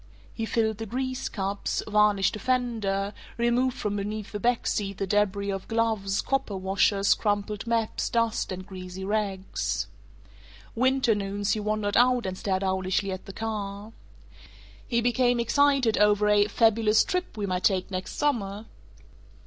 He filled the grease cups, varnished a fender, removed from beneath the back seat the debris of gloves, copper washers, crumpled maps, dust, and greasy rags. Winter noons he wandered out and stared owlishly at the car. He became excited over a fabulous "trip we might take next summer."